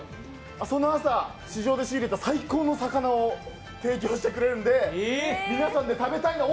その朝、市場で仕入れた最高の魚を提供してくれるので、皆さんで食べたいんです。